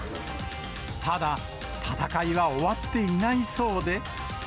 ただ、戦いは終わっていないそうで。